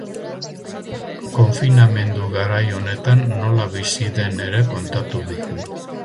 Konfinamendu garai honetan nola bizi den ere kontatu digu.